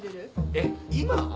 ・えっ今！？